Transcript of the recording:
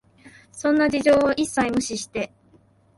そんな事情を一切無視して、